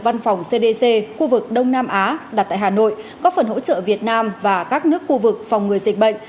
văn phòng cdc khu vực đông nam á đặt tại hà nội có phần hỗ trợ việt nam và các nước khu vực phòng ngừa dịch bệnh